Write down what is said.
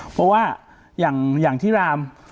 เพราะว่าอย่างที่ราม